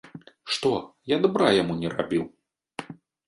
Што, я дабра яму не рабіў?